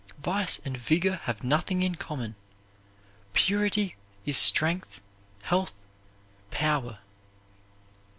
Vice and vigor have nothing in common. Purity is strength, health, power.